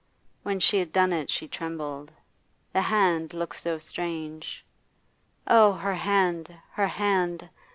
When she had done it she trembled. The hand looked so strange. Oh, her hand, her hand!